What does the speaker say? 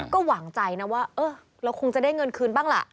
ก็หวังใจนะว่าเออเราคงจะได้เงินคืนบ้างล่ะ